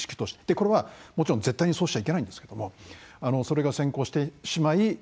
これはもちろん絶対にそうしちゃいけないんですけどそれが先行してしまい